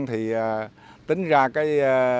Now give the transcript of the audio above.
thì tính ra cái thu nhập